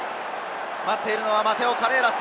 待っているのはマテオ・カレーラス。